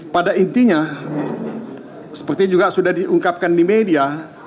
pada intinya seperti juga sudah diungkapkan di media